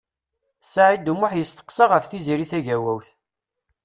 Saɛid U Muḥ yesteqsa ɣef Tiziri Tagawawt.